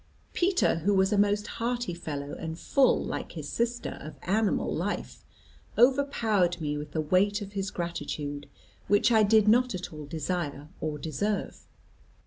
Peter, who was a most hearty fellow, and full, like his sister, of animal life, overpowered me with the weight of his gratitude, which I did not at all desire or deserve.